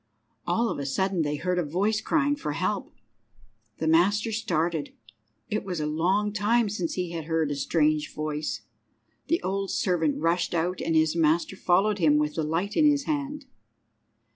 All of a sudden they heard a voice crying for help. The master started. It was a long time since he had heard a strange voice. The old servant rushed out, and his master followed him with the light in his hand.